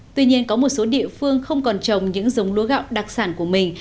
tuy nhiên có một số địa phương không còn trồng những giống lúa gạo đặc sản của mình